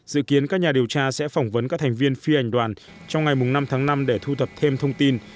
dự kiến các nhà điều tra sẽ phỏng vấn các thành viên phi hành đoàn trong ngày năm tháng năm để thu thập thêm thông tin